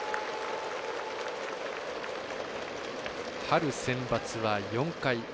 春センバツは４回。